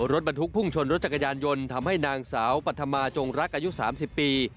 รถบรรทุกพุ่งชนรถจักรยานยนต์ทำให้นางสาวปัธมาจงรักอายุ๓๐ปี